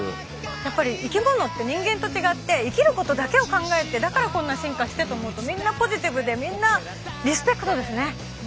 やっぱり生きものって人間と違って生きることだけを考えてだからこんな進化してと思うとみんなポジティブでみんなリスペクトですね。